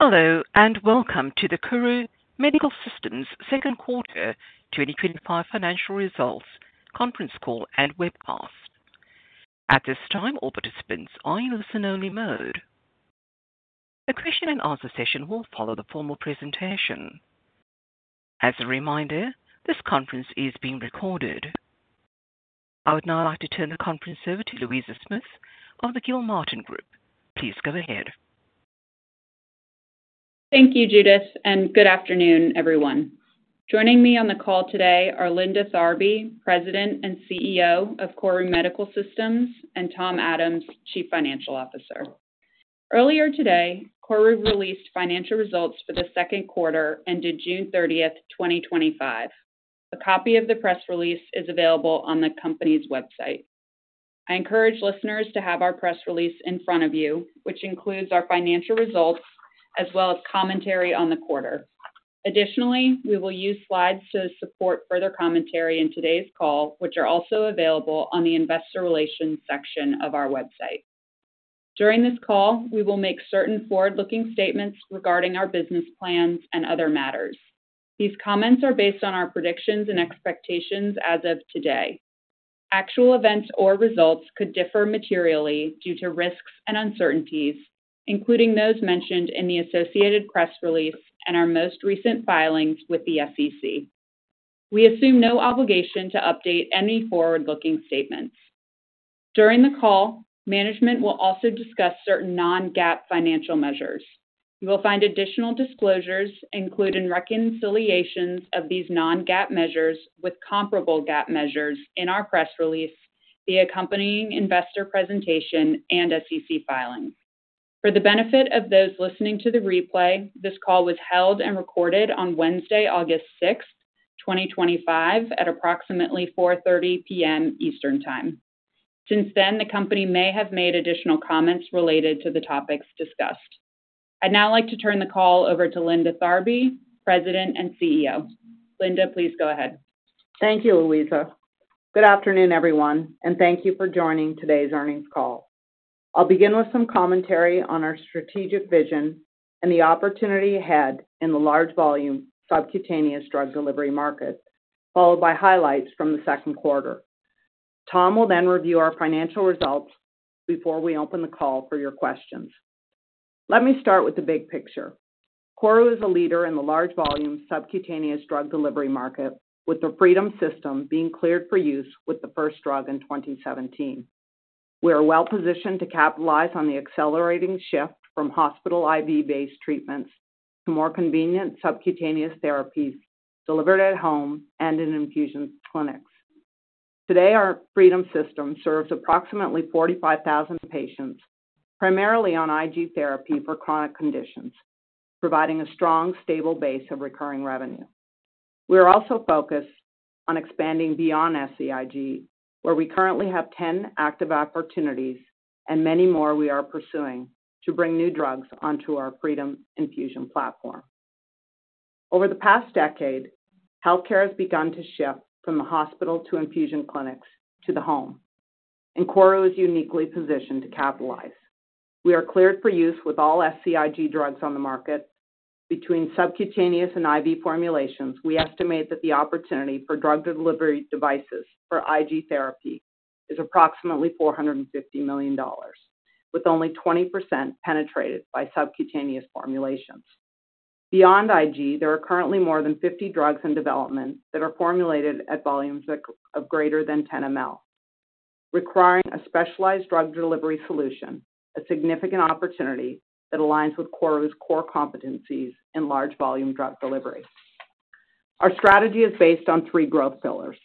Hello and welcome to the KORU Medical Systems Second Quarter 2025 Financial Results Conference Call and Webcast. At this time, all participants are in listen-only mode. The question and answer session will follow the formal presentation. As a reminder, this conference is being recorded. I would now like to turn the conference over to Louisa Smith of the Gilmartin Group. Please go ahead. Thank you, Judith, and good afternoon, everyone. Joining me on the call today are Linda Tharby, President and CEO of KORU Medical Systems, and Tom Adams, Chief Financial Officer. Earlier today, KORU released financial results for the second quarter ended June 30, 2025. A copy of the press release is available on the company's website. I encourage listeners to have our press release in front of you, which includes our financial results as well as commentary on the quarter. Additionally, we will use slides to support further commentary in today's call, which are also available on the Investor Relations section of our website. During this call, we will make certain forward-looking statements regarding our business plans and other matters. These comments are based on our predictions and expectations as of today. Actual events or results could differ materially due to risks and uncertainties, including those mentioned in the associated press release and our most recent filings with the SEC. We assume no obligation to update any forward-looking statements. During the call, management will also discuss certain non-GAAP financial measures. You will find additional disclosures, including reconciliations of these non-GAAP measures with comparable GAAP measures in our press release, the accompanying investor presentation, and SEC filing. For the benefit of those listening to the replay, this call was held and recorded on Wednesday, August 6, 2025, at approximately 4:30 P.M. Eastern Time. Since then, the company may have made additional comments related to the topics discussed. I'd now like to turn the call over to Linda Tharby, President and CEO. Linda, please go ahead. Thank you, Louisa. Good afternoon, everyone, and thank you for joining today's earnings call. I'll begin with some commentary on our strategic vision and the opportunity ahead in the large volume subcutaneous drug delivery market, followed by highlights from the second quarter. Tom will then review our financial results before we open the call for your questions. Let me start with the big picture. KORU Medical Systems is a leader in the large volume subcutaneous drug delivery market, with the Freedom System being cleared for use with the first drug in 2017. We are well positioned to capitalize on the accelerating shift from hospital IV-based treatments to more convenient subcutaneous therapies delivered at home and in infusion clinics. Today, our Freedom System serves approximately 45,000 patients, primarily on Ig therapy for chronic conditions, providing a strong, stable base of recurring revenue. We are also focused on expanding beyond SCIg, where we currently have 10 active opportunities and many more we are pursuing to bring new drugs onto our Freedom Infusion platform. Over the past decade, healthcare has begun to shift from the hospital to infusion clinics to the home, and KORU Medical Systems is uniquely positioned to capitalize. We are cleared for use with all SCIg drugs on the market. Between subcutaneous and IV formulations, we estimate that the opportunity for drug delivery devices for Ig therapy is approximately $450 million, with only 20% penetrated by subcutaneous formulations. Beyond Ig, there are currently more than 50 drugs in development that are formulated at volumes of greater than 10 ml, requiring a specialized drug delivery solution, a significant opportunity that aligns with KORU Medical Systems' core competencies in large volume drug delivery. Our strategy is based on three growth pillars: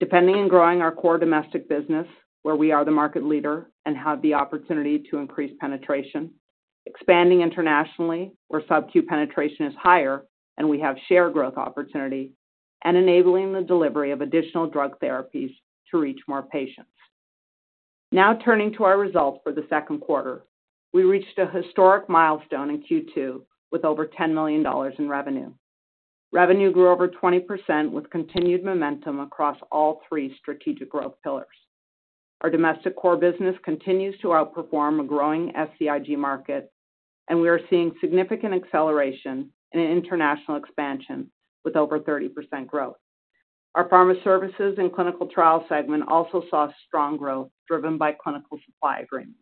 defending and growing our core domestic business, where we are the market leader and have the opportunity to increase penetration; expanding internationally, where subcutaneous penetration is higher and we have share growth opportunity; and enabling the delivery of additional drug therapies to reach more patients. Now turning to our results for the second quarter, we reached a historic milestone in Q2 with over $10 million in revenue. Revenue grew over 20% with continued momentum across all three strategic growth pillars. Our domestic core business continues to outperform a growing SCIg market, and we are seeing significant acceleration in international expansion with over 30% growth. Our Pharma Services and Clinical Trials segment also saw strong growth driven by clinical supply agreements.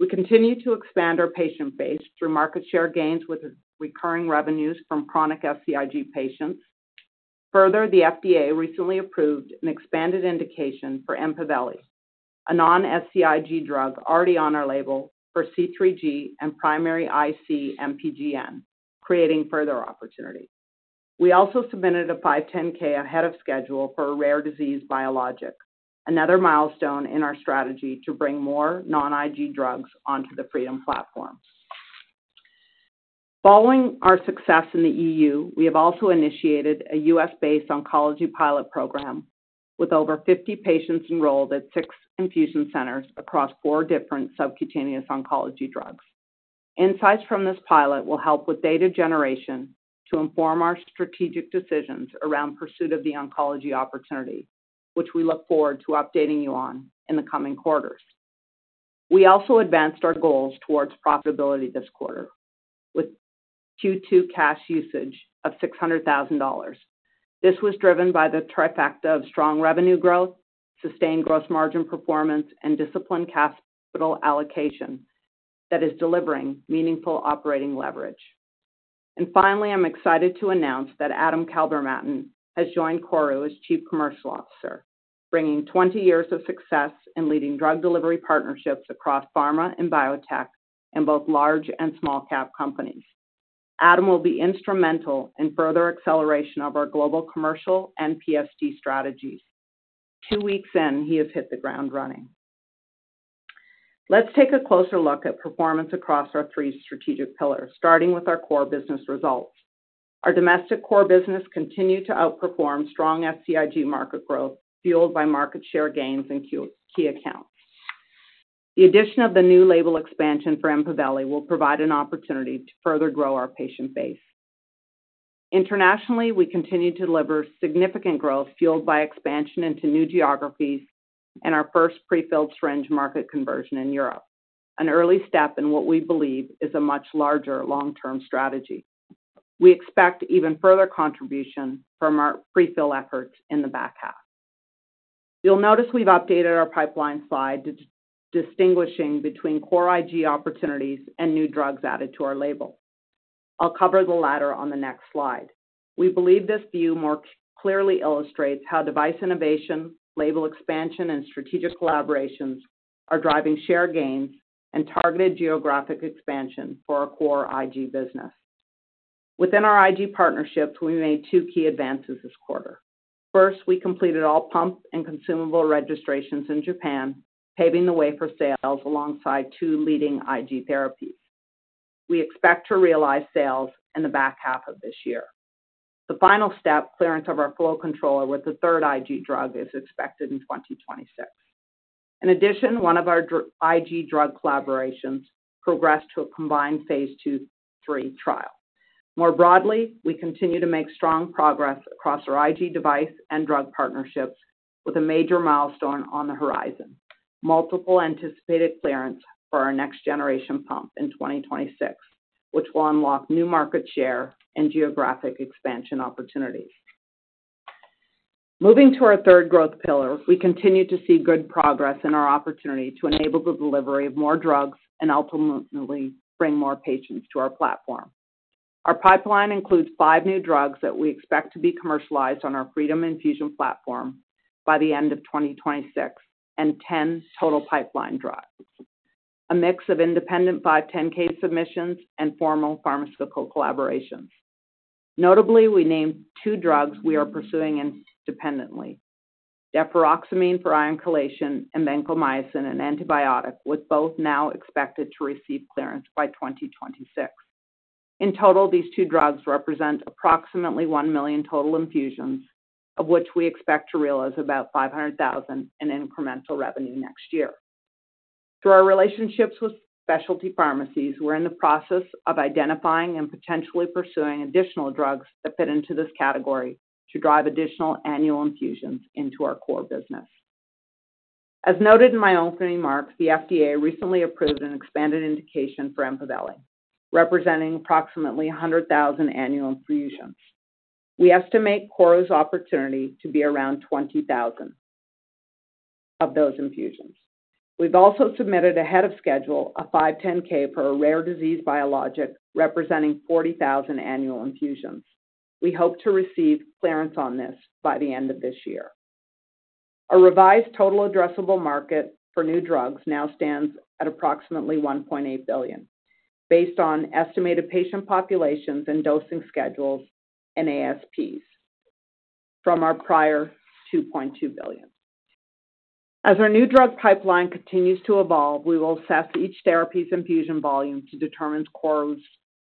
We continue to expand our patient base through market share gains with recurring revenues from chronic SCIg patients. Further, the FDA recently approved an expanded indication for Empaveli, a non-SCIg drug already on our label for C3G and primary IC MPGN, creating further opportunities. We also submitted a 510(k) ahead of schedule for a rare disease biologic, another milestone in our strategy to bring more non-Ig drugs onto the Freedom System. Following our success in the EU, we have also initiated a US based oncology pilot program with over 50 patients enrolled at six infusion centers across four different subcutaneous oncology drugs. Insights from this pilot will help with data generation to inform our strategic decisions around pursuit of the oncology opportunity, which we look forward to updating you on in the coming quarters. We also advanced our goals towards profitability this quarter with Q2 cash usage of $600,000. This was driven by the trifecta of strong revenue growth, sustained gross margin performance, and disciplined capital allocation that is delivering meaningful operational leverage. Finally, I'm excited to announce that Adam Kalbermatten has joined KORU Medical Systems as Chief Commercial Officer, bringing 20 years of success in leading drug delivery partnerships across pharma and biotech and both large and small-cap companies. Adam will be instrumental in further acceleration of our global commercial and PST strategies. Two weeks in, he has hit the ground running. Let's take a closer look at performance across our three strategic pillars, starting with our core business results. Our domestic core business continued to outperform strong SCIg market growth, fueled by market share gains in key accounts. The addition of the new label expansion for Empaveli will provide an opportunity to further grow our patient base. Internationally, we continue to deliver significant growth fueled by expansion into new geographies and our first prefilled syringe market conversion in Europe, an early step in what we believe is a much larger long-term strategy. We expect even further contribution from our prefilled efforts in the back half. You'll notice we've updated our pipeline slide distinguishing between core Ig opportunities and new drugs added to our label. I'll cover the latter on the next slide. We believe this view more clearly illustrates how device innovation, label expansion, and strategic collaborations are driving share gains and targeted geographic expansion for our core Ig business. Within our Ig partnerships, we made two key advances this quarter. First, we completed all pump and consumable registrations in Japan, paving the way for sales alongside two leading Ig therapies. We expect to realize sales in the back half of this year. The final step, clearance of our flow controller with the third Ig drug, is expected in 2026. In addition, one of our Ig drug collaborations progressed to a combined Phase II/III trial. More broadly, we continue to make strong progress across our Ig device and drug partnerships with a major milestone on the horizon: multiple anticipated clearance for our next generation pump in 2026, which will unlock new market share and geographic expansion opportunities. Moving to our third growth pillar, we continue to see good progress in our opportunity to enable the delivery of more drugs and ultimately bring more patients to our platform. Our pipeline includes five new drugs that we expect to be commercialized on our Freedom Infusion platform by the end of 2026 and 10 total pipeline drugs, a mix of independent 510(k) submissions and formal pharmaceutical collaborations. Notably, we named two drugs we are pursuing independently: deferoxamine for [iron-chelation] and vancomycin, an antibiotic, with both now expected to receive clearance by 2026. In total, these two drugs represent approximately 1 million total infusions, of which we expect to realize about 500,000 in incremental revenue next year. Through our relationships with specialty pharmacies, we're in the process of identifying and potentially pursuing additional drugs that fit into this category to drive additional annual infusions into our core business. As noted in my opening remarks, the FDA recently approved an expanded indication for Empaveli, representing approximately 100,000 annual infusions. We estimate KORU's opportunity to be around 20,000 of those infusions. We've also submitted ahead of schedule a 510(k) for a rare disease biologic, representing 40,000 annual infusions. We hope to receive clearance on this by the end of this year. A revised total addressable market for new drugs now stands at approximately $1.8 billion, based on estimated patient populations and dosing schedules and ASPs from our prior $2.2 billion. As our new drug pipeline continues to evolve, we will assess each therapy's infusion volume to determine KORU's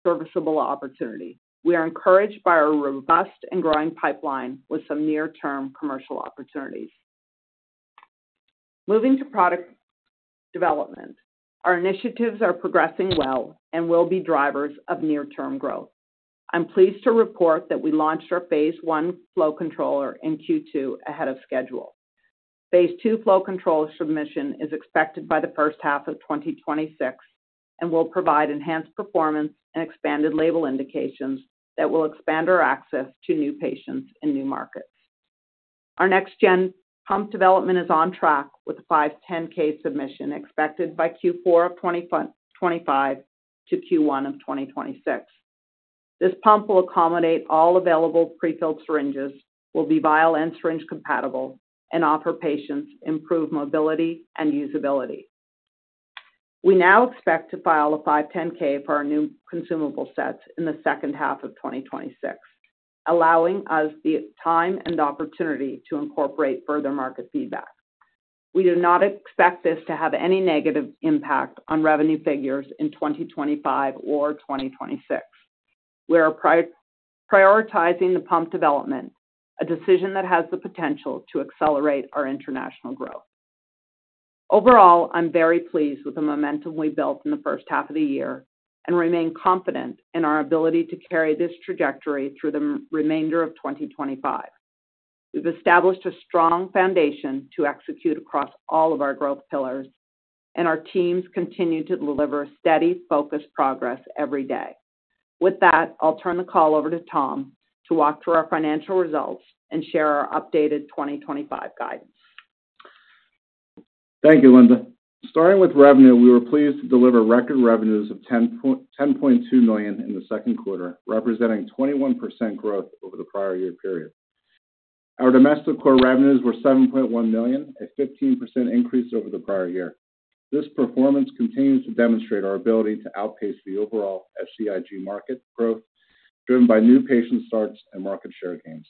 serviceable opportunity. We are encouraged by a robust and growing pipeline with some near-term commercial opportunities. Moving to product development, our initiatives are progressing well and will be drivers of near-term growth. I'm pleased to report that we launched our Phase I flow controller in Q2 ahead of schedule. Phase II flow controller submission is expected by the first half of 2026 and will provide enhanced performance and expanded label indications that will expand our access to new patients in new markets. Our next-gen pump development is on track with a 510(k) submission expected by Q4 of 2025 to Q1 of 2026. This pump will accommodate all available prefilled syringes, will be vial and syringe compatible, and offer patients improved mobility and usability. We now expect to file a 510(k) for our new consumable sets in the second half of 2026, allowing us the time and opportunity to incorporate further market feedback. We do not expect this to have any negative impact on revenue figures in 2025 or 2026. We are prioritizing the pump development, a decision that has the potential to accelerate our international growth. Overall, I'm very pleased with the momentum we built in the first half of the year and remain confident in our ability to carry this trajectory through the remainder of 2025. We've established a strong foundation to execute across all of our growth pillars, and our teams continue to deliver steady, focused progress every day. With that, I'll turn the call over to Tom to walk through our financial results and share our updated 2025 guidance. Thank you, Linda. Starting with revenue, we were pleased to deliver record revenues of $10.2 million in the second quarter, representing 21% growth over the prior year period. Our domestic core revenues were $7.1 million, a 15% increase over the prior year. This performance continues to demonstrate our ability to outpace the overall SCIg market growth, driven by new patient starts and market share gains,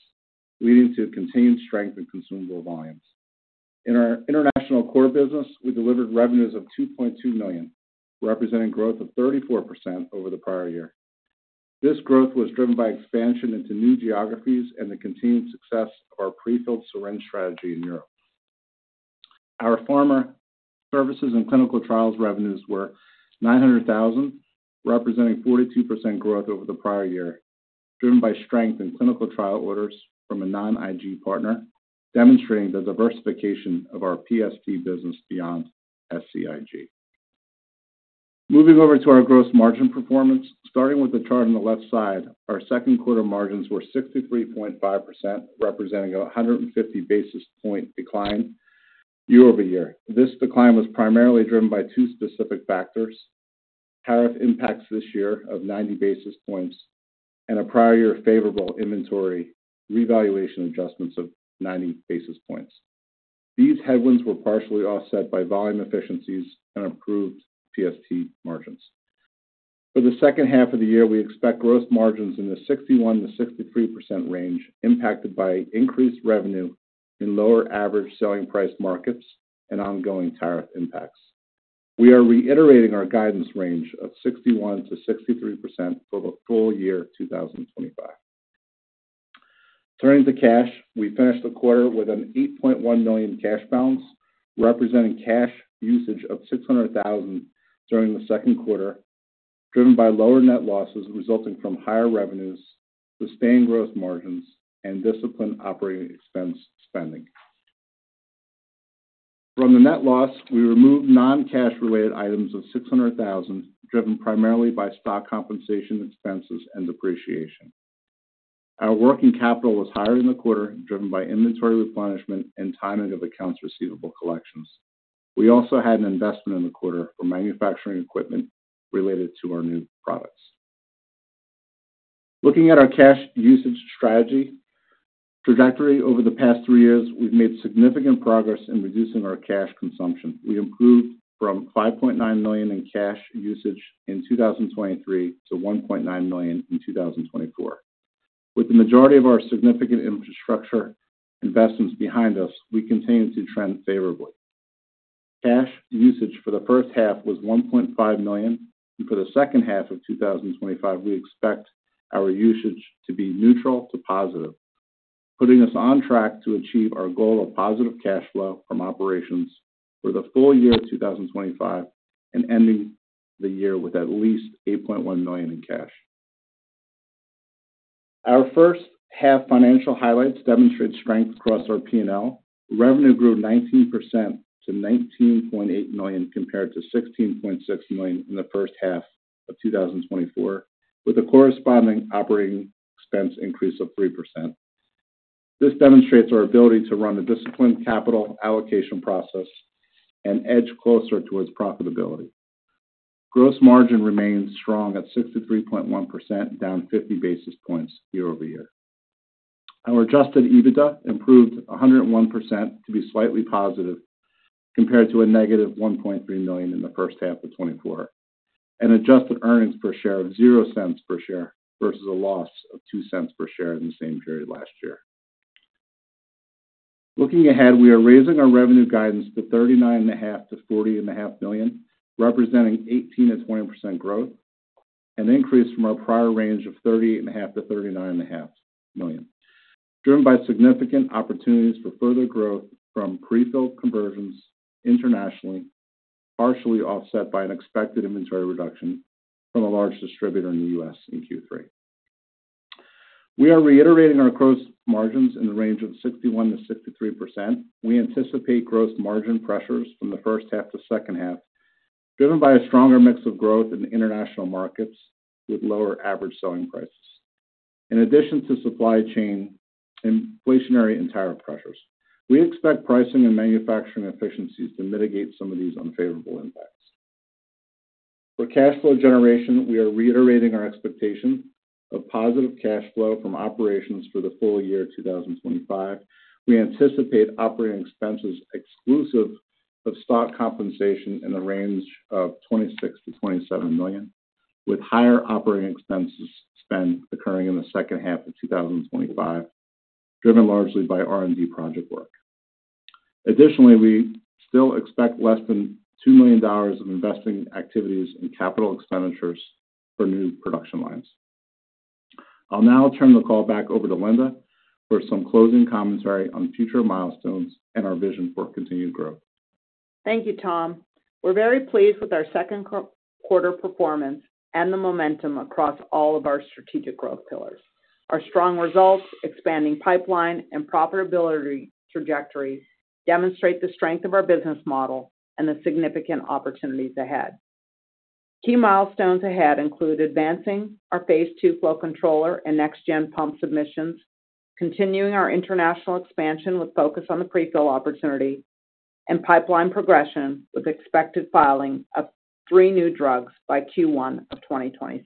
leading to continued strength in consumable volumes. In our international core business, we delivered revenues of $2.2 million, representing growth of 34% over the prior year. This growth was driven by expansion into new geographies and the continued success of our prefilled syringe strategy in Europe. Our Pharma Services and Clinical Trials revenues were $900,000, representing 42% growth over the prior year, driven by strength in clinical trial orders from a non-Ig partner, demonstrating the diversification of our PST business beyond SCIg. Moving over to our gross margin performance, starting with the chart on the left side, our second quarter margins were 63.5%, representing a 150 basis point decline year-over-year. This decline was primarily driven by two specific factors: tariff impacts this year of 90 basis points and a prior year favorable inventory revaluation adjustments of 90 basis points. These headwinds were partially offset by volume efficiencies and improved PST margins. For the second half of the year, we expect gross margins in the 61% - 63% range, impacted by increased revenue in lower average selling price markets and ongoing tariff impacts. We are reiterating our guidance range of 61% - 63% for the full year 2025. Turning to cash, we finished the quarter with an $8.1 million cash balance, representing cash usage of $600,000 during the second quarter, driven by lower net losses resulting from higher revenues, sustained growth margins, and discipline operating expense spending. From the net loss, we removed non-cash related items of $600,000, driven primarily by stock compensation expenses and depreciation. Our working capital was higher in the quarter, driven by inventory replenishment and timing of accounts receivable collections. We also had an investment in the quarter for manufacturing equipment related to our new products. Looking at our cash usage trajectory over the past three years, we've made significant progress in reducing our cash consumption. It improved from $5.9 million in cash usage in 2023 to $1.9 million in 2024. With the majority of our significant infrastructure investments behind us, we continue to trend favorably. Cash usage for the first half was $1.5 million, and for the second half of 2025, we expect our usage to be neutral to positive, putting us on track to achieve our goal of positive cash flow from operations for the full year of 2025 and ending the year with at least $8.1 million in cash. Our first half financial highlights demonstrate strength across our P&L. Revenue grew 19% to $19.8 million compared to $16.6 million in the first half of 2024, with a corresponding operating expense increase of 3%. This demonstrates our ability to run a disciplined capital allocation process and edge closer towards profitability. Gross margin remains strong at 63.1%, down 50 basis points year-over-year. Our adjusted EBITDA improved 101% to be slightly positive compared to a negative $1.3 million in the first half of 2024, and adjusted earnings per share of $0.00 per share versus a loss of $0.02 per share in the same period last year. Looking ahead, we are raising our revenue guidance to $39.5 to $40.5 million, representing 18% - 20% growth, an increase from our prior range of $38.5 million - $39.5 million, driven by significant opportunities for further growth from prefilled conversions internationally, partially offset by an expected inventory reduction from a large distributor in the U.S. in Q3. We are reiterating our gross margins in the range of 61% - 63%. We anticipate gross margin pressures from the first half to second half, driven by a stronger mix of growth in international markets with lower average selling prices. In addition to supply chain inflationary and tariff pressures, we expect pricing and manufacturing efficiencies to mitigate some of these unfavorable impacts. For cash flow generation, we are reiterating our expectation of positive cash flow from operations for the full year of 2025. We anticipate operating expenses exclusive of stock compensation in the range of $26 million - $27 million, with higher operating expenses spend occurring in the second half of 2025, driven largely by R&D project work. Additionally, we still expect less than $2 million of investing activities and capital expenditures for new production lines. I'll now turn the call back over to Linda for some closing commentary on future milestones and our vision for continued growth. Thank you, Tom. We're very pleased with our second quarter performance and the momentum across all of our strategic growth pillars. Our strong results, expanding pipeline, and profitability trajectories demonstrate the strength of our business model and the significant opportunities ahead. Key milestones ahead include advancing our Phase II flow controller and next-gen pump submissions, continuing our international expansion with focus on the prefilled opportunity, and pipeline progression with expected filing of three new drugs by Q1 of 2026.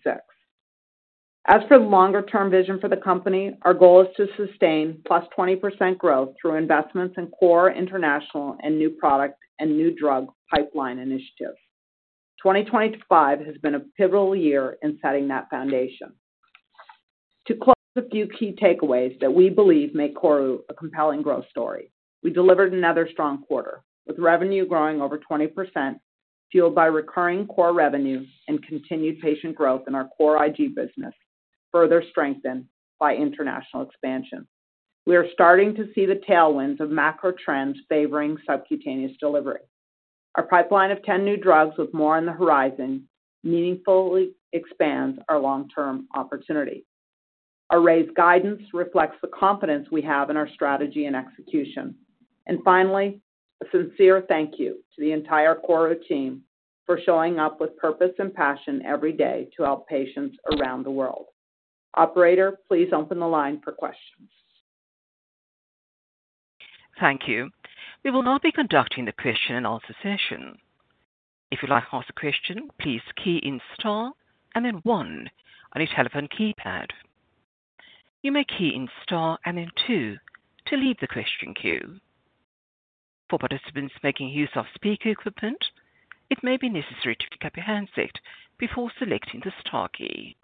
As for the longer-term vision for the company, our goal is to sustain plus 20% growth through investments in core international and new product and new drug pipeline initiatives. 2025 has been a pivotal year in setting that foundation. To close with a few key takeaways that we believe make KORU a compelling growth story, we delivered another strong quarter, with revenue growing over 20%, fueled by recurring core revenue and continued patient growth in our core Ig business, further strengthened by international expansion. We are starting to see the tailwinds of macro trends favoring subcutaneous delivery. Our pipeline of 10 new drugs with more on the horizon meaningfully expands our long-term opportunity. Our raised guidance reflects the confidence we have in our strategy and execution. Finally, a sincere thank you to the entire KORU team for showing up with purpose and passion every day to help patients around the world. Operator, please open the line for questions. Thank you. We will now be conducting the question and answer session. If you'd like to ask a question, please key in star and then one on your telephone keypad. You may key in star and then two to leave the question queue. For participants making use of speaker equipment, it may be necessary to pick up your handset before selecting the star key.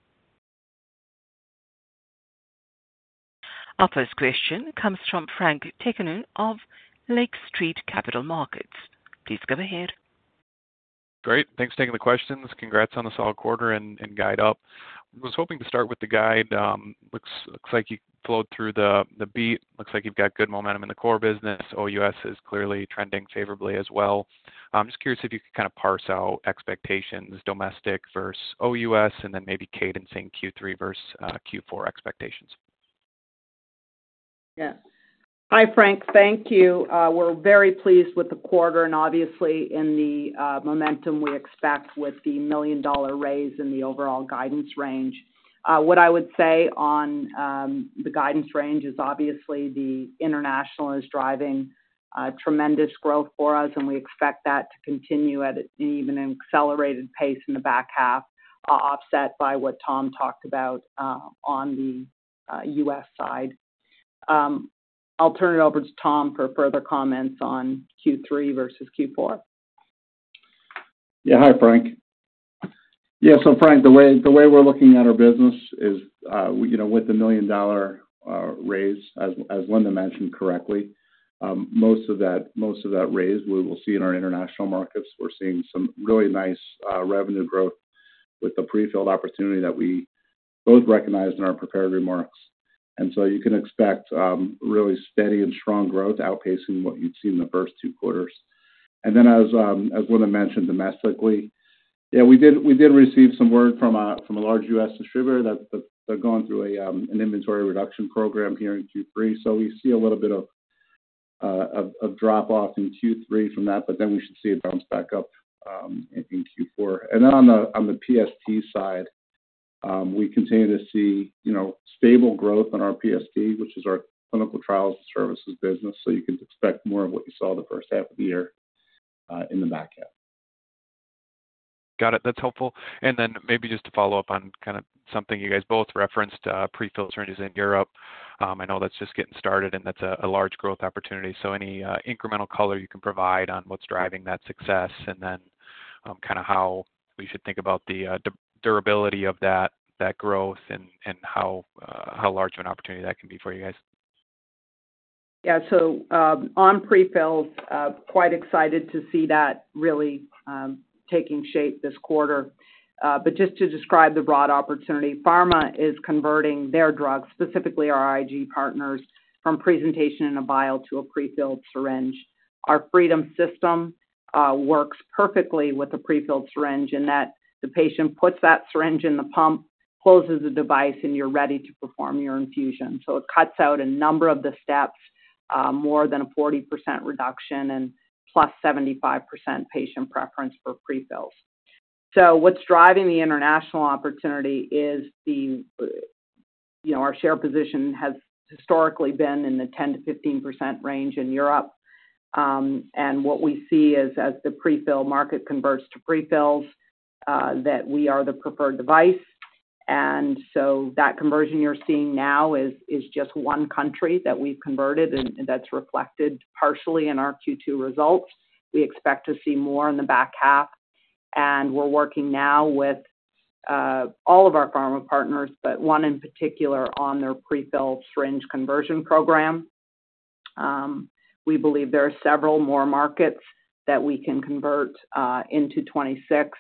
Our first question comes from Frank Takkinen of Lake Street Capital Markets. Please go ahead. Great. Thanks for taking the questions. Congrats on the solid quarter and guide up. I was hoping to start with the guide. Looks like you flowed through the beat. Looks like you've got good momentum in the core business. OUS is clearly trending favorably as well. I'm just curious if you could kind of parse out expectations domestic versus OUS and then maybe cadencing Q3 versus Q4 expectations. Yeah. Hi, Frank. Thank you. We're very pleased with the quarter and obviously in the momentum we expect with the $1 million raise in the overall guidance range. What I would say on the guidance range is obviously the international is driving tremendous growth for us, and we expect that to continue at an even accelerated pace in the back half, offset by what Tom talked about on the U.S. side. I'll turn it over to Tom for further comments on Q3 versus Q4. Yeah. Hi, Frank. The way we're looking at our business is, with the $1 million raise, as Linda mentioned correctly, most of that raise we will see in our international markets. We're seeing some really nice revenue growth with the prefilled opportunity that we both recognized in our prepared remarks. You can expect really steady and strong growth outpacing what you'd seen in the first two quarters. As Linda mentioned domestically, we did receive some word from a large U.S. distributor that they're going through an inventory reduction program here in Q3. We see a little bit of a drop-off in Q3 from that, but we should see it bounce back up in Q4. On the PST side, we continue to see stable growth on our PST, which is our clinical trials and services business. You can expect more of what you saw the first half of the year in the back half. Got it. That's helpful. Maybe just to follow up on kind of something you guys both referenced, prefilled syringes in Europe, I know that's just getting started and that's a large growth opportunity. Any incremental color you can provide on what's driving that success and how we should think about the durability of that growth and how large of an opportunity that can be for you guys? Yeah. On prefilled, quite excited to see that really taking shape this quarter. Just to describe the broad opportunity, pharma is converting their drugs, specifically our Ig partners, from presentation in a vial to a prefilled syringe. Our Freedom System works perfectly with a prefilled syringe in that the patient puts that syringe in the pump, closes the device, and you're ready to perform your infusion. It cuts out a number of the steps, more than a 40% reduction and plus 75% patient preference for prefills. What's driving the international opportunity is our share position has historically been in the 10% - 15% range in Europe. What we see is as the prefilled market converts to prefills, we are the preferred device. That conversion you're seeing now is just one country that we've converted, and that's reflected partially in our Q2 results. We expect to see more in the back half. We're working now with all of our pharma partners, but one in particular on their prefilled syringe conversion program. We believe there are several more markets that we can convert into 2026.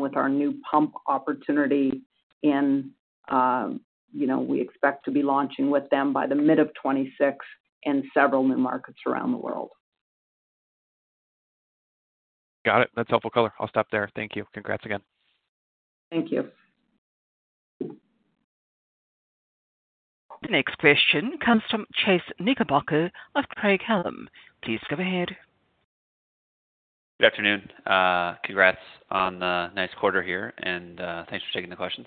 With our new pump opportunity, we expect to be launching with them by the mid of 2026 in several new markets around the world. Got it. That's helpful color. I'll stop there. Thank you. Congrats again. Thank you. Next question comes from Chase Knickerbocker of Craig-Hallum Capital Group. Please go ahead. Good afternoon. Congrats on the next quarter here, and thanks for taking the questions.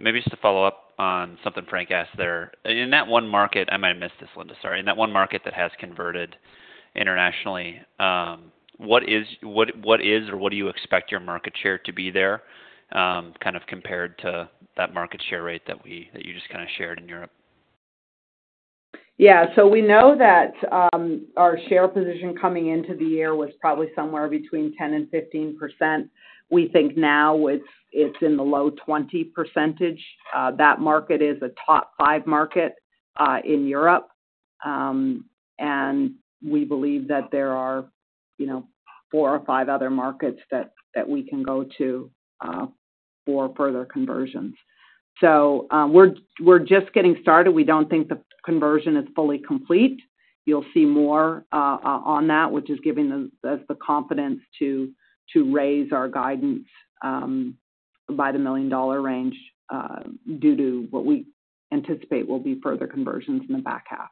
Maybe just to follow up on something Frank asked. In that one market, I might have missed this, Linda. Sorry. In that one market that has converted internationally, what is, or what do you expect your market share to be there compared to that market share rate that you just shared in Europe? Yeah. We know that our share position coming into the year was probably somewhere between 10% - 15%. We think now it's in the low 20% range. That market is a top five market in Europe, and we believe that there are, you know, four or five other markets that we can go to for further conversions. We're just getting started. We don't think the conversion is fully complete. You'll see more on that, which is giving us the confidence to raise our guidance by the $1 million range due to what we anticipate will be further conversions in the back half.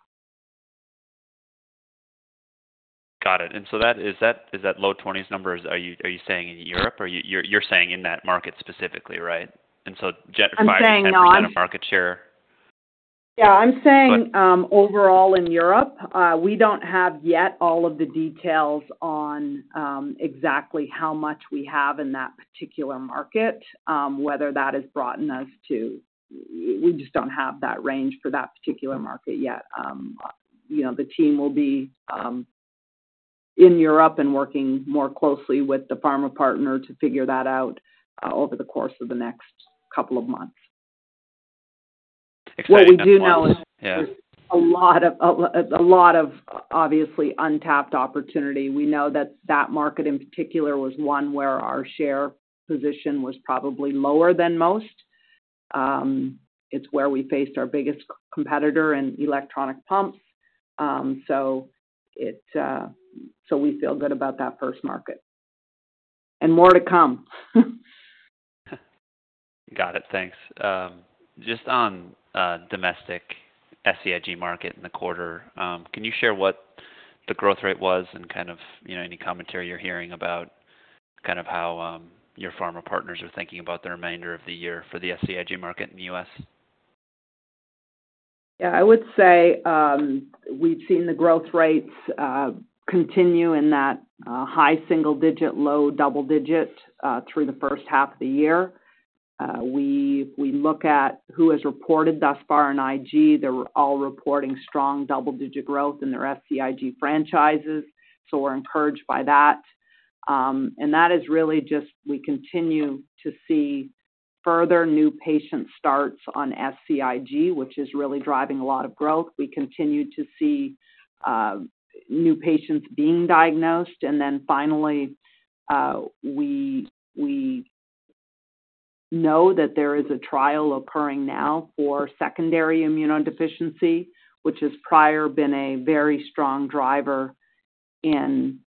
Got it. That is that low 20s number. Are you saying in Europe? You're saying in that market specifically, right? 5% of market share. Yeah. I'm saying overall in Europe, we don't have yet all of the details on exactly how much we have in that particular market, whether that has brought us to, we just don't have that range for that particular market yet. The team will be in Europe and working more closely with the pharma partner to figure that out over the course of the next couple of months. Excellent. What we do know is there's a lot of obviously untapped opportunity. We know that that market in particular was one where our share position was probably lower than most. It's where we faced our biggest competitor in electronic pumps. We feel good about that first market. More to come. Got it. Thanks. Just on the domestic SCIg market in the quarter, can you share what the growth rate was, and any commentary you're hearing about how your pharma partners are thinking about the remainder of the year for the SCIg market in the U.S.? Yeah. I would say we've seen the growth rates continue in that high single digit, low double digit through the first half of the year. We look at who has reported thus far in Ig. They're all reporting strong double digit growth in their SCIg franchises. We're encouraged by that. That is really just we continue to see further new patient starts on SCIg, which is really driving a lot of growth. We continue to see new patients being diagnosed. We know that there is a trial occurring now for secondary immunodeficiency, which has prior been a very strong driver in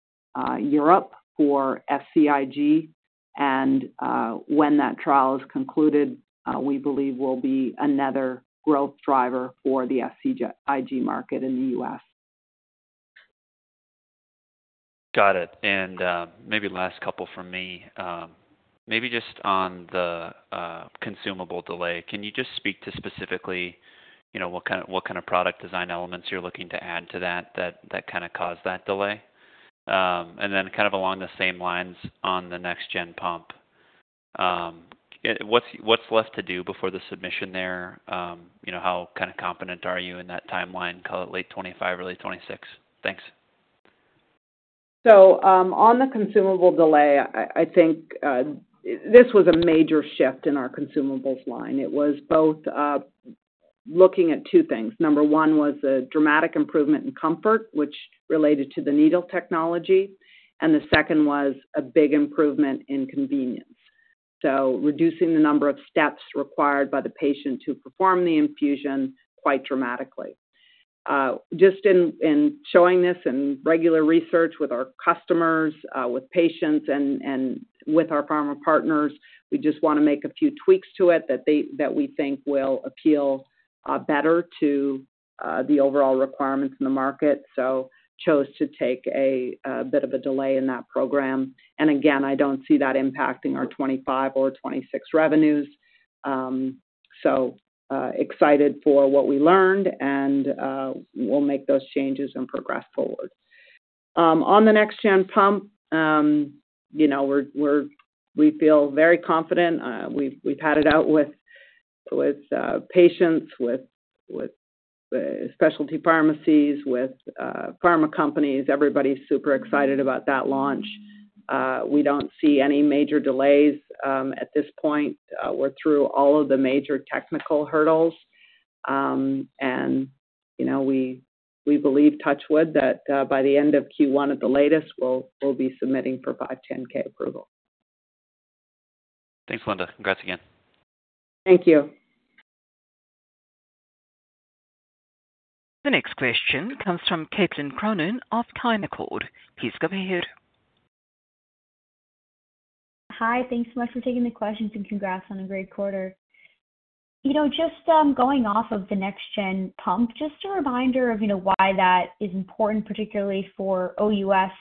Europe for SCIg. When that trial is concluded, we believe will be another growth driver for the SCIg market in the U.S. Got it. Maybe last couple from me. Maybe just on the consumable delay, can you speak to specifically what kind of product design elements you're looking to add to that that caused that delay? Along the same lines on the next-gen pump, what's left to do before the submission there? How confident are you in that timeline, call it late 2025, early 2026? Thanks. On the consumable delay, I think this was a major shift in our consumables line. It was both looking at two things. Number one was a dramatic improvement in comfort, which related to the needle technology. The second was a big improvement in convenience, reducing the number of steps required by the patient to perform the infusion quite dramatically. In showing this in regular research with our customers, with patients, and with our pharma partners, we just want to make a few tweaks to it that we think will appeal better to the overall requirements in the market. We chose to take a bit of a delay in that program. I don't see that impacting our 2025 or 2026 revenues. Excited for what we learned, and we'll make those changes and progress forward. On the next-gen pump, we feel very confident. We've had it out with patients, with specialty pharmacies, with pharma companies. Everybody's super excited about that launch. We don't see any major delays at this point. We're through all of the major technical hurdles. We believe, touch wood, that by the end of Q1, at the latest, we'll be submitting for 510(k) approval. Thanks, Linda. Congrats again. Thank you. The next question comes from Caitlin Cronin of Canaccord. Please go ahead. Hi, thanks so much for taking the questions and congrats on a great quarter. Just going off of the next-gen pump, just a reminder of why that is important, particularly for OUS.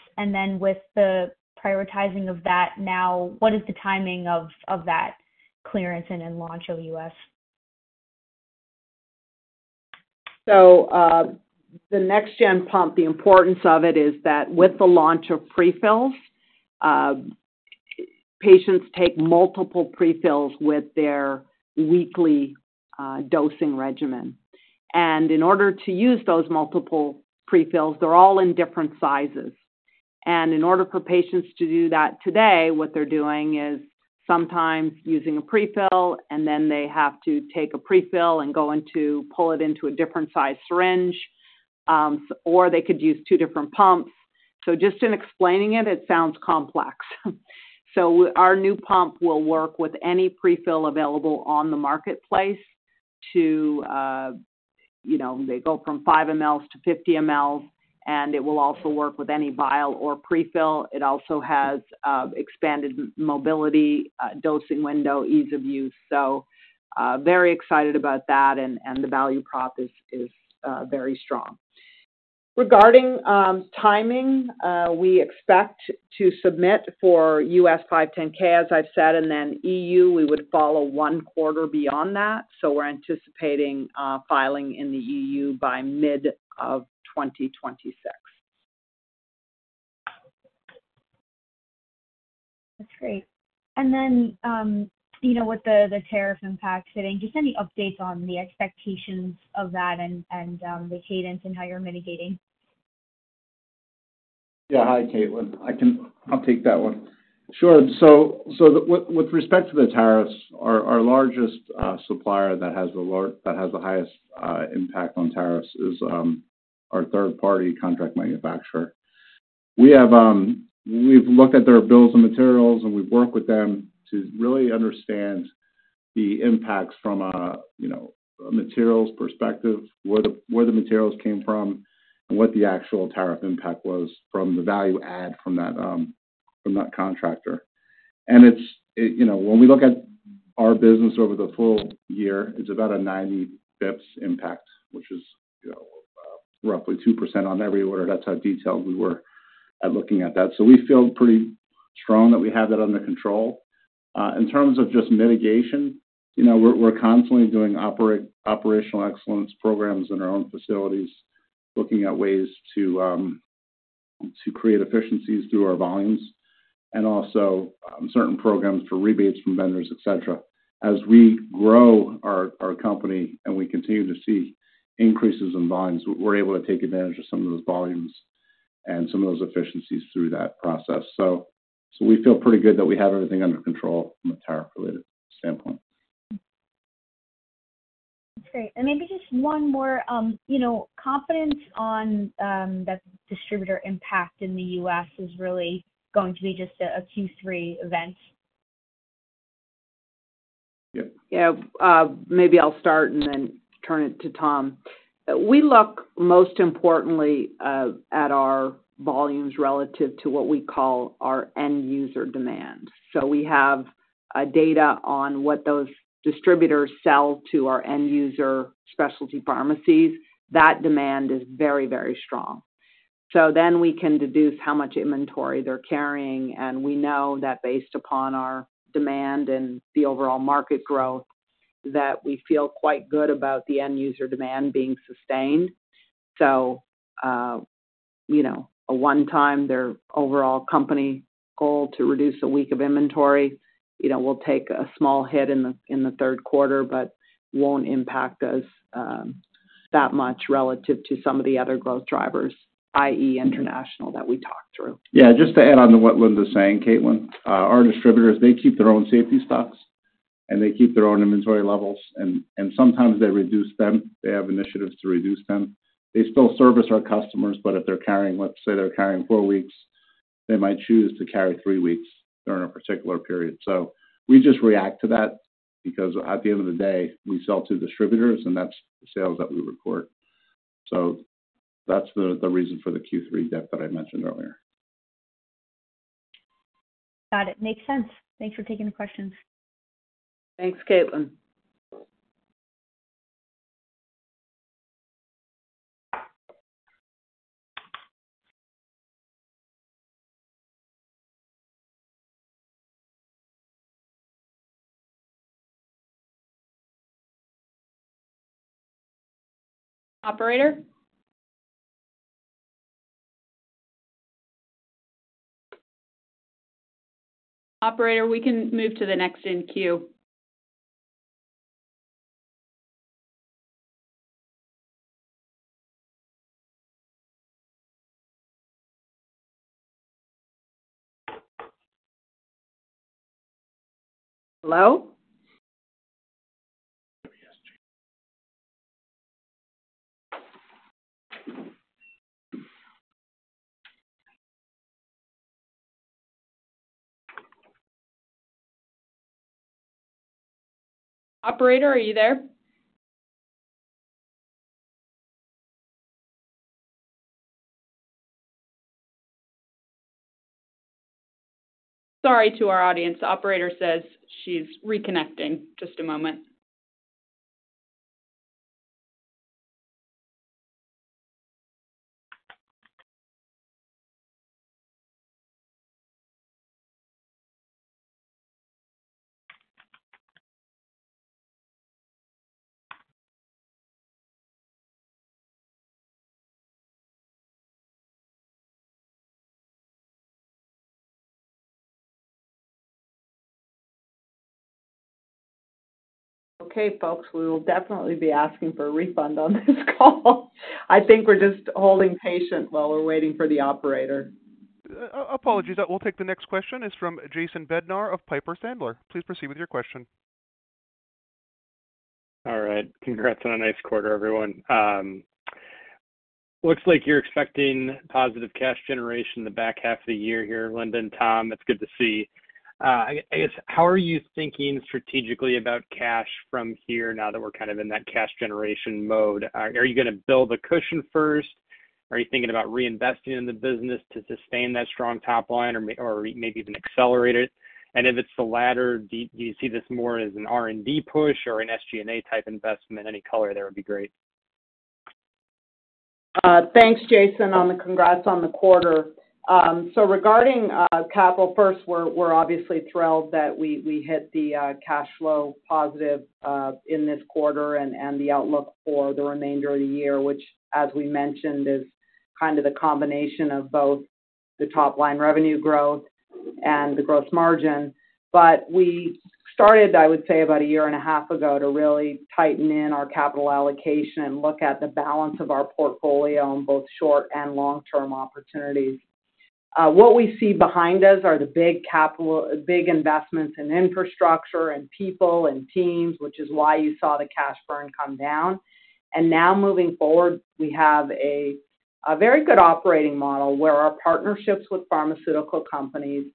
With the prioritizing of that now, what is the timing of that clearance and then launch OUS? The next-gen pump, the importance of it is that with the launch of prefills, patients take multiple prefills with their weekly dosing regimen. In order to use those multiple prefills, they're all in different sizes. In order for patients to do that today, what they're doing is sometimes using a prefill, and then they have to take a prefill and pull it into a different size syringe, or they could use two different pumps. Just in explaining it, it sounds complex. Our new pump will work with any prefill available on the marketplace, they go from 5 ml - 50 ml, and it will also work with any vial or prefill. It also has expanded mobility, dosing window, ease of use. Very excited about that, and the value prop is very strong. Regarding timing, we expect to submit for U.S. 510(k), as I've said, and then EU, we would follow one quarter beyond that. We're anticipating filing in the EU by mid 2026. That's great. With the tariff impacts hitting, just any updates on the expectations of that and the cadence and how you're mitigating? Yeah. Hi, Caitlin. I can take that one. Sure. With respect to the tariffs, our largest supplier that has the highest impact on tariffs is our third-party contract manufacturer. We've looked at their bills of materials, and we've worked with them to really understand the impacts from a materials perspective, where the materials came from, and what the actual tariff impact was from the value add from that contractor. When we look at our business over the full year, it's about a 90 bps impact, which is roughly 2% on every order. That's how detailed we were at looking at that. We feel pretty strong that we have it under control. In terms of mitigation, we're constantly doing operational excellence programs in our own facilities, looking at ways to create efficiencies through our volumes and also certain programs for rebates from vendors, etc. As we grow our company and we continue to see increases in volumes, we're able to take advantage of some of those volumes and some of those efficiencies through that process. We feel pretty good that we have everything under control from a tariff-related standpoint. That's great. Maybe just one more, you know, confidence on that distributor impact in the U.S. is really going to be just a Q3 event? Yeah. Maybe I'll start and then turn it to Tom. We look most importantly at our volumes relative to what we call our end user demand. We have data on what those distributors sell to our end user specialty pharmacies. That demand is very, very strong. We can deduce how much inventory they're carrying. We know that based upon our demand and the overall market growth, we feel quite good about the end user demand being sustained. A one-time overall company goal to reduce a week of inventory will take a small hit in the third quarter, but won't impact us that much relative to some of the other growth drivers, i.e., international that we talked through. Yeah. Just to add on to what Linda's saying, Caitlin, our distributors keep their own safety stocks, and they keep their own inventory levels. Sometimes they reduce them. They have initiatives to reduce them. They still service our customers, but if they're carrying, let's say they're carrying four weeks, they might choose to carry three weeks during a particular period. We just react to that because at the end of the day, we sell to distributors, and that's the sales that we report. That's the reason for the Q3 dip that I mentioned earlier. Got it. Makes sense. Thanks for taking the questions. Thanks, Caitlin. Operator? Operator, we can move to the next in queue. Hello? Operator, are you there? Sorry to our audience. Operator says she's reconnecting. Just a moment. Okay, folks, we will definitely be asking for a refund on this call. I think we're just holding patient while we're waiting for the operator. Apologies. We'll take the next question. It's from Jason Bednar of Piper Sandler. Please proceed with your question. All right. Congrats on a nice quarter, everyone. Looks like you're expecting positive cash generation in the back half of the year here, Linda and Tom. That's good to see. I guess, how are you thinking strategically about cash from here now that we're kind of in that cash generation mode? Are you going to build a cushion first? Are you thinking about reinvesting in the business to sustain that strong top line or maybe even accelerate it? If it's the latter, do you see this more as an R&D push or an SG&A type investment? Any color there would be great? Thanks, Jason, on the congrats on the quarter. Regarding capital first, we're obviously thrilled that we hit the cash flow positive in this quarter and the outlook for the remainder of the year, which, as we mentioned, is kind of the combination of both the top line revenue growth and the gross margin. We started, I would say, about a year and a half ago to really tighten in our capital allocation and look at the balance of our portfolio in both short and long-term opportunities. What we see behind us are the big capital, big investments in infrastructure and people and teams, which is why you saw the cash burn come down. Now moving forward, we have a very good operating model where our partnerships with pharmaceutical companies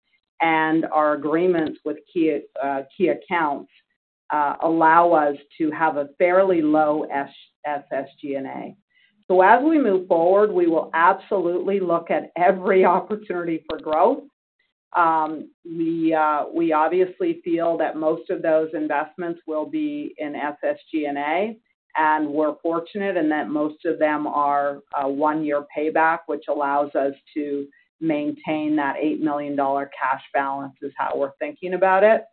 and our agreements with key accounts allow us to have a fairly low SSG&A. As we move forward, we will absolutely look at every opportunity for growth. We obviously feel that most of those investments will be in SSG&A, and we're fortunate in that most of them are one-year payback, which allows us to maintain that $8 million cash balance is how we're thinking about it.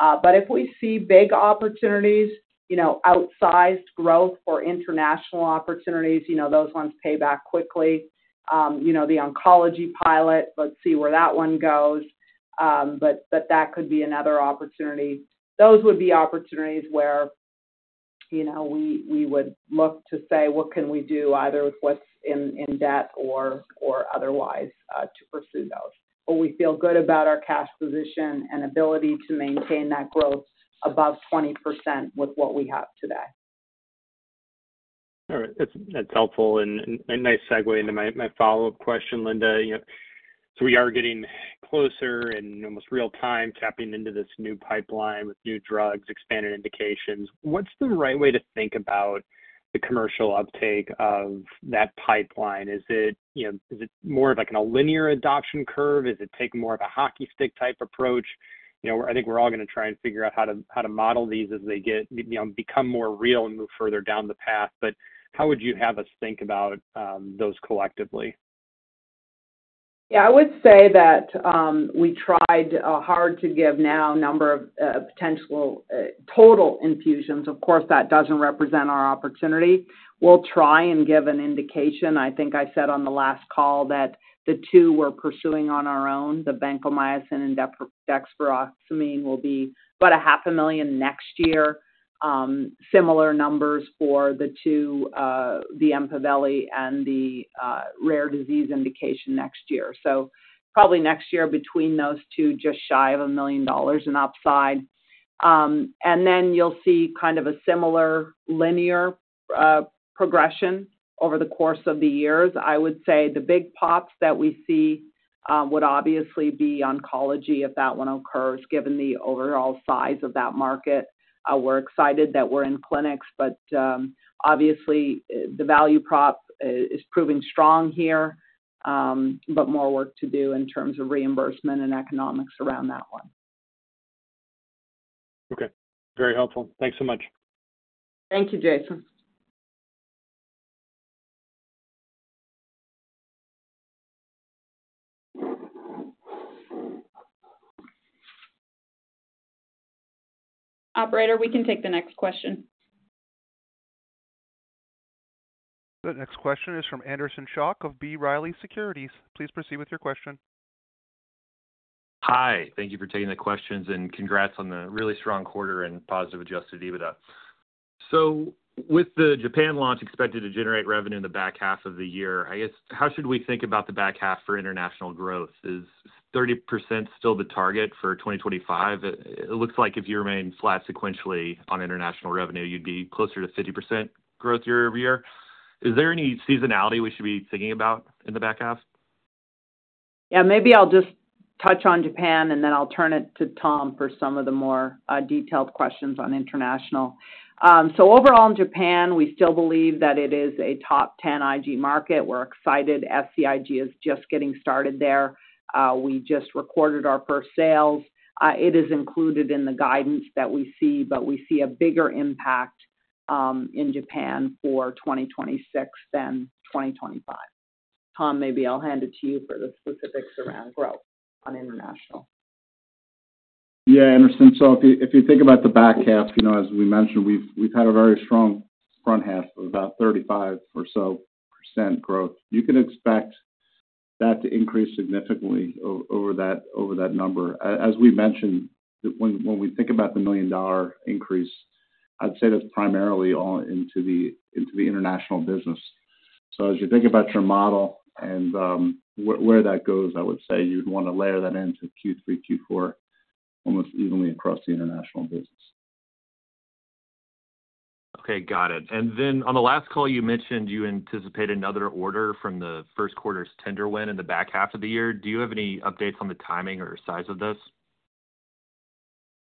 If we see big opportunities, outsized growth for international opportunities, those ones pay back quickly. The oncology pilot, let's see where that one goes. That could be another opportunity. Those would be opportunities where we would look to say, what can we do either with what's in debt or otherwise to pursue those. We feel good about our cash position and ability to maintain that growth above 20% with what we have today. All right. That's helpful and a nice segue into my follow-up question, Linda. You know, we are getting closer and almost real-time tapping into this new pipeline with new drugs, expanded indications. What's the right way to think about the commercial uptake of that pipeline? Is it, you know, more of like a linear adoption curve? Is it taking more of a hockey stick type approach? I think we're all going to try and figure out how to model these as they get, you know, become more real and move further down the path. How would you have us think about those collectively? Yeah. I would say that we tried hard to give now a number of potential total infusions. Of course, that doesn't represent our opportunity. We'll try and give an indication. I think I said on the last call that the two we're pursuing on our own, the vancomycin and dextromethorphan, will be about $0.5 million next year. Similar numbers for the two, the Empaveli and the rare disease indication next year. Probably next year between those two, just shy of $1 million in upside. You'll see kind of a similar linear progression over the course of the years. I would say the big pops that we see would obviously be oncology if that one occurs, given the overall size of that market. We're excited that we're in clinics, but obviously, the value prop is proving strong here, but more work to do in terms of reimbursement and economics around that one. Okay, very helpful. Thanks so much. Thank you, Jason. Operator, we can take the next question. The next question is from Anderson Schock of B. Riley Securities. Please proceed with your question. Hi. Thank you for taking the questions and congrats on the really strong quarter and positive adjusted EBITDA. With the Japan launch expected to generate revenue in the back half of the year, I guess, how should we think about the back half for international growth? Is 30% still the target for 2025? It looks like if you remain flat sequentially on international revenue, you'd be closer to 50% growth year over year. Is there any seasonality we should be thinking about in the back half? Yeah. Maybe I'll just touch on Japan, and then I'll turn it to Tom for some of the more detailed questions on international. Overall, in Japan, we still believe that it is a top 10 Ig market. We're excited. SCIg is just getting started there. We just recorded our first sales. It is included in the guidance that we see, but we see a bigger impact in Japan for 2026 than 2025. Tom, maybe I'll hand it to you for the specifics around growth on international. Yeah, Anderson. If you think about the back half, as we mentioned, we've had a very strong front half of about 35% or so growth. You can expect that to increase significantly over that number. As we mentioned, when we think about the million-dollar increase, I'd say that's primarily all into the international business. As you think about your model and where that goes, I would say you'd want to layer that into Q3, Q4, almost evenly across the international business. Got it. On the last call, you mentioned you anticipate another order from the first quarter's tender win in the back half of the year. Do you have any updates on the timing or size of this?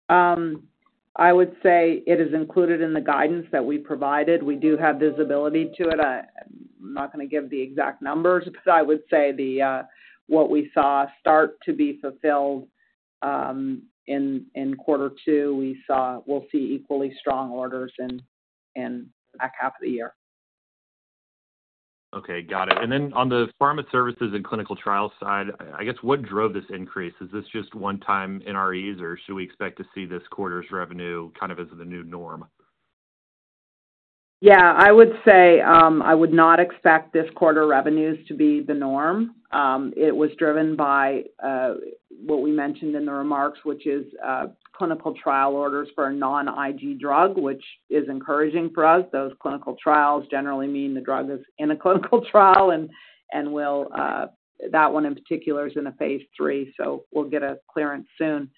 I would say it is included in the guidance that we provided. We do have visibility to it. I'm not going to give the exact numbers, but I would say what we saw start to be fulfilled in quarter two, we will see equally strong orders in the back half of the year. Got it. On the Pharma Services and Clinical Trials side, I guess, what drove this increase? Is this just one-time NREs, or should we expect to see this quarter's revenue kind of as the new norm? I would say I would not expect this quarter revenues to be the norm. It was driven by what we mentioned in the remarks, which is clinical trial orders for a non-Ig drug, which is encouraging for us. Those clinical trials generally mean the drug is in a clinical trial, and that one in particular is in a Phase III, so we'll get a clearance soon.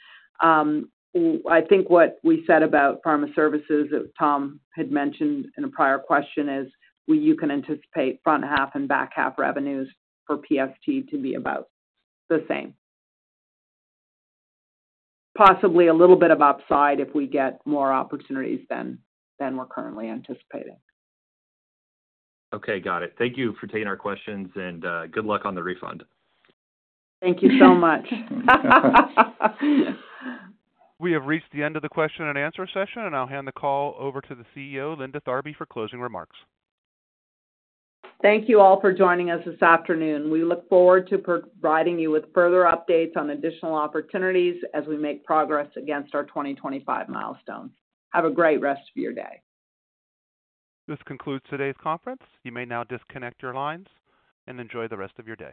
I think what we said about Pharma Services and Clinical Trials that Tom had mentioned in a prior question is you can anticipate front half and back half revenues for PST to be about the same, possibly a little bit of upside if we get more opportunities than we're currently anticipating. Okay. Got it. Thank you for taking our questions, and good luck on the refund. Thank you so much. We have reached the end of the question and answer session, and I'll hand the call over to the CEO, Linda Tharby, for closing remarks. Thank you all for joining us this afternoon. We look forward to providing you with further updates on additional opportunities as we make progress against our 2025 milestone. Have a great rest of your day. This concludes today's conference. You may now disconnect your lines and enjoy the rest of your day.